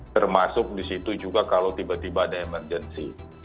termasuk di situ juga kalau tiba tiba ada emergency